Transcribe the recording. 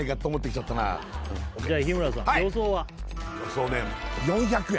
予想ね４００円